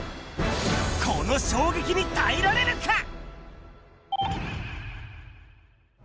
この衝撃に耐えられるか？